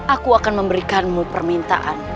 aku akan memberikanmu permintaan